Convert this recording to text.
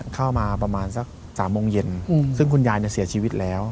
เข้ามาประมาณสัก๓โมงเย็นซึ่งคุณยายเสียชีวิตแล้ว